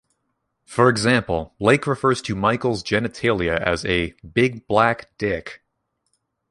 For example, Lake refers to Michaels' genitalia as a "big black dick".